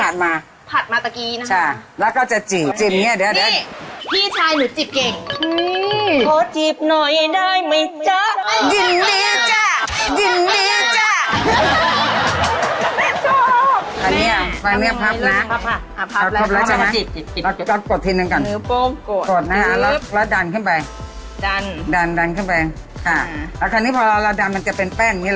ใส่ใต้ที่เราไป